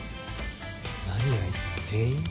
何あいつ店員？